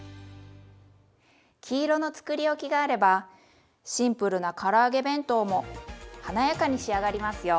黄色のつくりおきがあればシンプルなから揚げ弁当も華やかに仕上がりますよ。